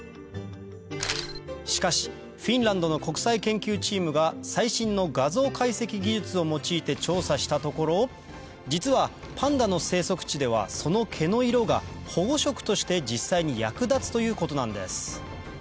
しかしフィンランドの国際研究チームが最新の画像解析技術を用いて調査したところ実はパンダの生息地ではその毛の色が保護色として実際に役立つということなんです